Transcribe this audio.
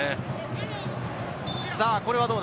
これはどうだ？